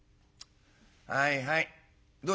「はいはいどうした？」。